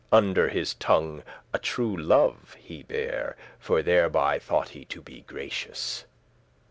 Under his tongue a true love <35> he bare, For thereby thought he to be gracious.